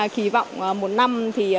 kỳ vọng một năm